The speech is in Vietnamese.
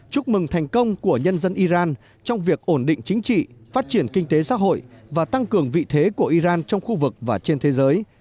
chúc mừng thành công của nhân dân iran trong việc ổn định chính trị phát triển kinh tế xã hội và tăng cường vị thế của iran trong khu vực và trên thế giới